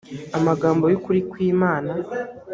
amagambo y ukuri kw imana